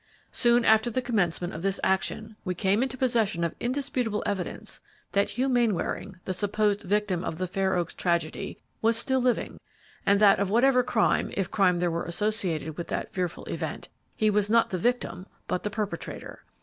Soon after the commencement of this action, we came into possession of indisputable evidence that Hugh Mainwaring, the supposed victim of the Fair Oaks tragedy, was still living, and that of whatever crime, if crime there were associated with that fearful event, he was not the victim but the perpetrator.